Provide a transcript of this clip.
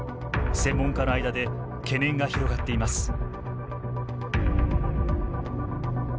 専門家の間で懸念が広がっています。